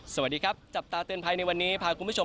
สวัสดีครับจับตาเตือนภัยในวันนี้พาคุณผู้ชม